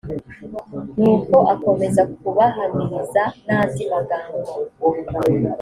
nuko akomeza kubahamiriza n andi magambo